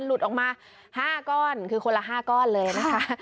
หลุดออกมา๕ก้อนคือคนละ๕ก้อนเลยนะคะ